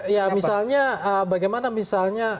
ya misalnya bagaimana misalnya